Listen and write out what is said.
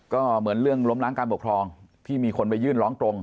ก็เหมือนเรื่องล้มล้างการปกครองที่มีคนไปยื่นร้องตรง